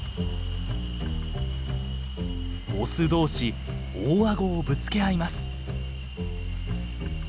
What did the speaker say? オス同士大顎をぶつけ合います。